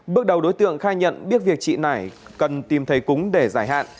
bước đầu đối tượng khai nhận biết việc chị nải cần tìm thấy cúng để giải hạn